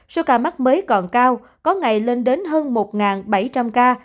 số ca mắc mới còn cao có ngày lên đến hơn một bảy trăm linh ca